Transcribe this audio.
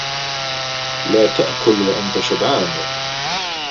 لَا تَأْكُلْ وَأَنْتَ شَبْعَانُ.